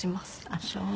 あっそう。